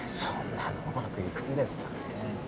そんなのうまくいくんですかね？